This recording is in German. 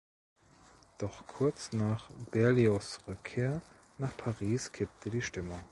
Doch kurz nach Berlioz’ Rückkehr nach Paris kippte die Stimmung.